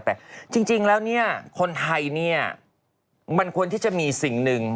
แต่จริงแล้วคนไทยมันควรที่จะมีสิ่งหนึ่ง